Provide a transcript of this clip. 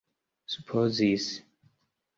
supozis